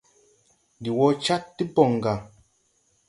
Ndi wo Cad ti boŋ ga.